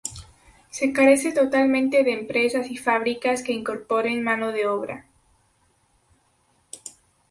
Se carece totalmente de empresas y fábricas que incorporen mano de obra.